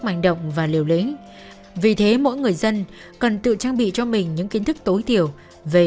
mạnh động và liều lĩnh vì thế mỗi người dân cần tự trang bị cho mình những kiến thức tối thiểu về